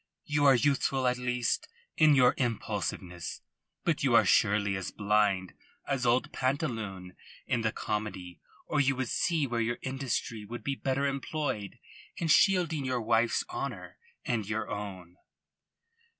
You are youthful at least in your impulsiveness, but you are surely as blind as old Pantaloon in the comedy or you would see where your industry would be better employed in shielding your wife's honour and your own."